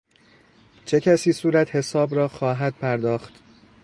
چه کسی صورتحساب را خواهد پرداخت؟